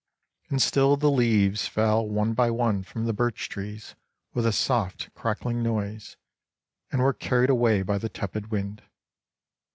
And still the leaves fell one by one from the birch trees with a soft, crackling noise, and were carried away by the tepid wind.